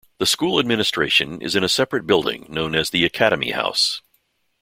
The school administration is in a separate building known as the Academy House.